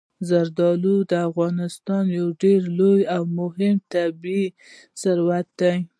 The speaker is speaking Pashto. زردالو د افغانستان یو ډېر لوی او مهم طبعي ثروت دی.